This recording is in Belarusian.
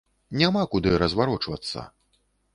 Нам няма куды разварочвацца.